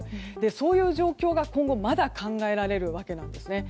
そういう状況が今後まだ考えられるわけなんですね。